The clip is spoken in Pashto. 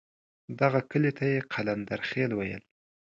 دغه کلي ته یې قلندرخېل ویل.